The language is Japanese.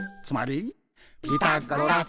「つまり、」